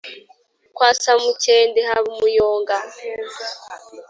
kwa samukende haba umuyonga